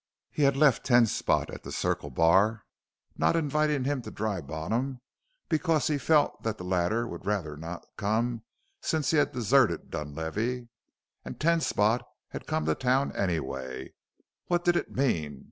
He had left Ten Spot at the Circle Bar, not inviting him to Dry Bottom because he felt that the latter would rather not come since he had deserted Dunlavey. And Ten Spot had come to town anyway. What did it mean?